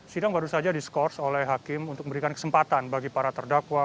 sidang baru saja diskors oleh hakim untuk memberikan kesempatan bagi para terdakwa